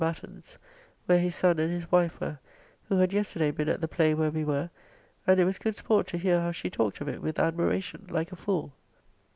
Batten's, where his son and his wife were, who had yesterday been at the play where we were, and it was good sport to hear how she talked of it with admiration like a fool.